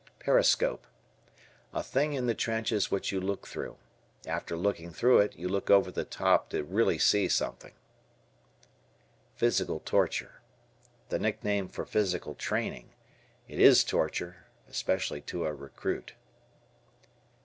Periscope. A thing in the trenches which you look through. After looking through it, you look over the top to really see something. "Physical torture." The nickname for physical training. It is torture, especially to a recruit.